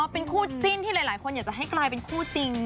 เป็นคู่จิ้นที่หลายคนอยากจะให้กลายเป็นคู่จริง